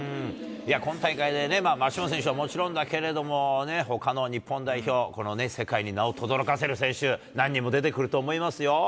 今大会で、松島選手はもちろんだけれども、ほかの日本代表も、この世界に名をとどろかせる選手、何人も出てくると思いますよ。